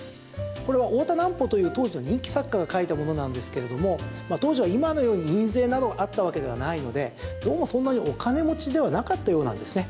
これは、大田南畝という当時の人気作家が書いたものなんですけれども当時は今のように印税などがあったわけではないのでどうもそんなにお金持ちではなかったようなんですね。